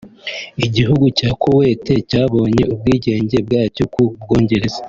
Igihugu cya Kuwait cyabonye ubwigenge bwacyo ku Bwongereza